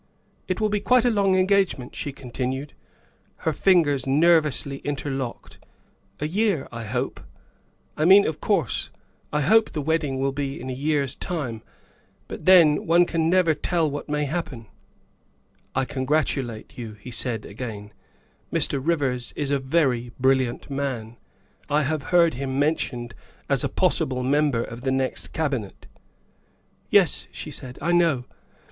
" It will be quite a long engagement," she continued, her fingers nervously interlocked " a year, I hope; I mean, of course, I hope the wedding will be in a year's time. But then one can never tell what may happen. "" I congratulate you," he said again, " Mr. Rivers is a very brilliant man. I have heard him mentioned as a possible member of the next Cabinet. ''" Yes," she said, " I know.